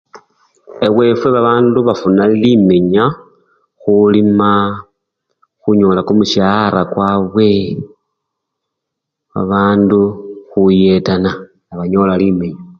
Ewefwe babandu bafuna limenya, khulima khunyola kumushaara kwabwe, babandu khuyetana nebanyola limenya.